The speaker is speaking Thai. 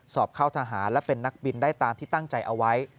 สอบเข้าทหารและเป็นนักบินได้ตามที่ตั้งใจเอาไว้